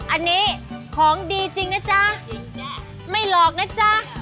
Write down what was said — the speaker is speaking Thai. อันนี้ของดีจริงนะจ๊ะไม่หลอกนะจ๊ะ